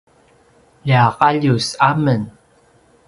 lja Qalius a men